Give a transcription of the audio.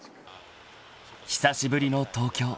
［久しぶりの東京］